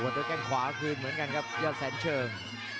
ด้วยแข้งขวาคืนเหมือนกันครับยอดแสนเชิง